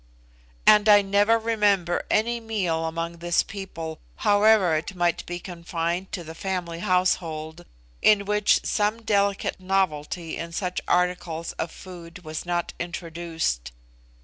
And I never remember any meal among this people, however it might be confined to the family household, in which some delicate novelty in such articles of food was not introduced.